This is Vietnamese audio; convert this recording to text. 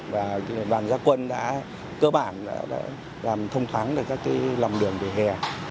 và đoàn gia quân đã cơ bản làm thông thắng các lòng đường vỉa hè